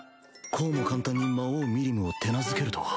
こうも簡単に魔王ミリムを手なずけるとは